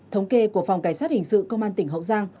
thống kê của phòng cảnh sát hình sự công an tỉnh hậu giang